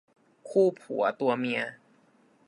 คู่ผัวตัวเมีย